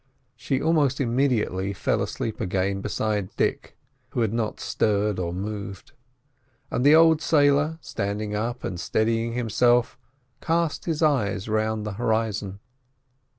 She almost immediately fell asleep again beside Dick, who had not stirred or moved; and the old sailor, standing up and steadying himself, cast his eyes round the horizon.